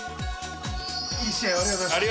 ◆いい試合をありがとうございました。